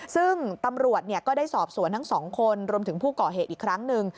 ซึ่งตำรวจก็ได้สอบสวนทั้งสองคนรวมถึงผู้ก่อเหตุอีกครั้งหนึ่ง